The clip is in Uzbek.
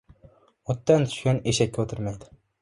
• Otdan tushgan eshakka o‘tirmaydi.